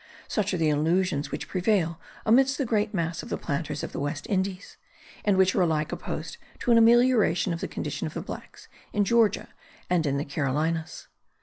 Such are the illusions which prevail amidst the great mass of the planters of the West Indies, and which are alike opposed to an amelioration of the condition of the blacks in Georgia and in the Carolinas.